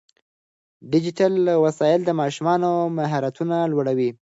ډیجیټل وسایل د ماشومانو مهارتونه لوړوي.